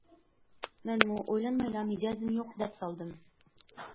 مەنمۇ ئويلانمايلا مىجەزىم يوق دەپ سالدىم.